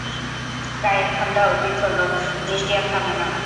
প্রায় এক ঘণ্টা অতীত হল, বৃষ্টি আর থামে না।